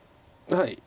はい。